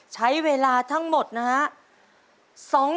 ใช้เวลาทั้งหมดนะฮะ